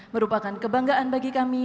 merupakan kebanggaan bagi kami